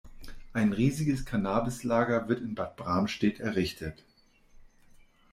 Ein riesiges Cannabis-Lager wird in Bad Bramstedt errichtet.